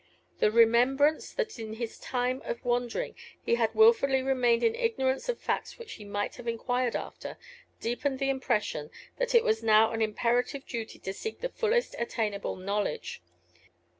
The remembrance that in his time of wandering he had wilfully remained in ignorance of facts which he might have enquired after, deepened the impression that it was now an imperative duty to seek the fullest attainable knowledge.